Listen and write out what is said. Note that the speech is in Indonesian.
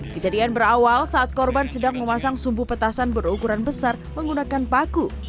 kejadian berawal saat korban sedang memasang sumbu petasan berukuran besar menggunakan paku